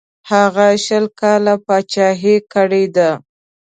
هغه شل کاله پاچهي کړې ده.